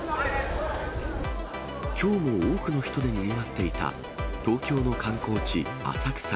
きょうも多くの人でにぎわっていた東京の観光地、浅草。